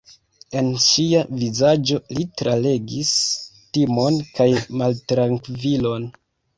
En ŝia vizaĝo li tralegis timon kaj maltrankvilon.